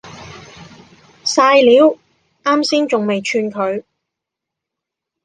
曬料，岩先仲未串佢